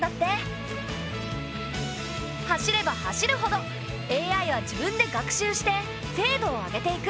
走れば走るほどＡＩは自分で学習して精度を上げていく。